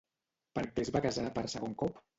Per què es va casar per segon cop?